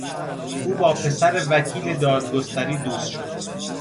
او با پسر وکیل دادگستری دوست شد.